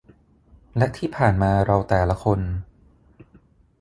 และที่ผ่านมาเราแต่ละคน